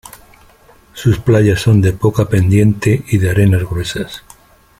Sus playas son de poca pendiente y de arenas gruesas.